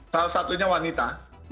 salah satunya wanita